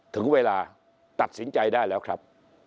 ถึงเวลาตัดสินใจได้แล้วครับ